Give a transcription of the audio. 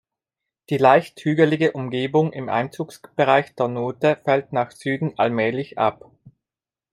Die leicht hügelige Umgebung im Einzugsbereich der Nuthe fällt nach Süden allmählich ab.